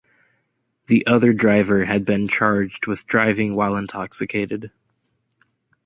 The other driver had been charged with driving while intoxicated.